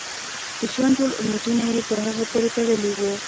د ژوند ټول امیدونه یې په هغه پورې تړلي وو.